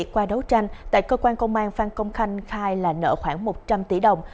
qua đấu tranh tại cơ quan công an phan công khanh khai là nợ khoảng một trăm linh tỷ đồng